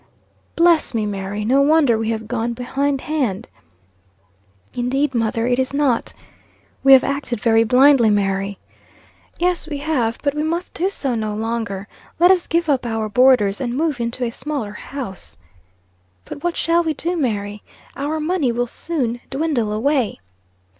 "Bless me, Mary! No wonder we have gone behindhand." "Indeed, mother, it is not." "We have acted very blindly, Mary." "Yes, we have; but we must do so no longer. Let us give up our boarders, and move into a smaller house." "But what shall we do Mary? Our money will soon dwindle away."